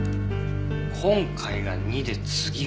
今回が２で次が３。